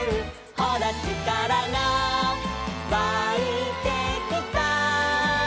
「ほらちからがわいてきた」